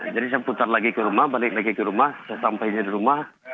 jadi saya putar lagi ke rumah balik lagi ke rumah saya sampai di rumah